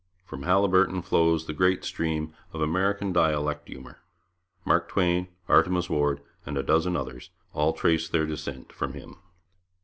From Haliburton flows the great stream of American dialect humour. Mark Twain, Artemus Ward, and a dozen others, all trace their descent from him.